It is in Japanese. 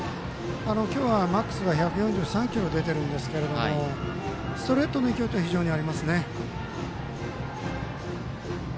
今日はマックスが１４３キロ出てるんですけれどもストレートの勢いというのは非常にありますね。